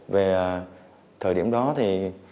về thời điểm đó thì